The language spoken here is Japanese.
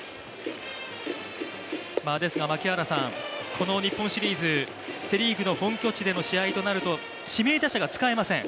この日本シリーズ、セ・リーグの本拠地の試合になると指名打者が使えません。